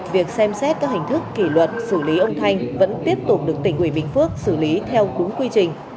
việc xem xét các hình thức kỷ luật xử lý ông thanh vẫn tiếp tục được tỉnh ủy bình phước xử lý theo đúng quy trình